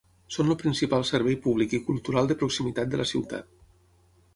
Són el principal servei públic i cultural de proximitat de la ciutat.